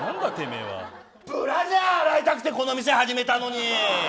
ブラジャー洗いたくて、この店始めたのに。